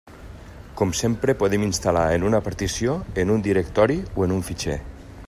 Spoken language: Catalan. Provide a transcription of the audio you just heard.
Com sempre podem instal·lar en una partició, en un directori o en un fitxer.